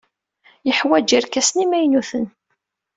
Yeḥwaj irkasen imaynuten.